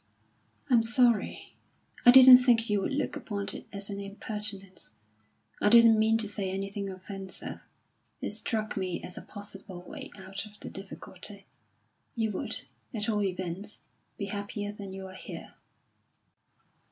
"I'm sorry. I didn't think you would look upon it as an impertinence. I didn't mean to say anything offensive. It struck me as a possible way out of the difficulty. You would, at all events, be happier than you are here."